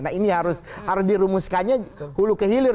nah ini harus dirumuskannya hulu kehilir